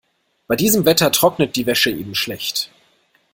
Bei diesem Wetter trocknet die Wäsche eben schlecht.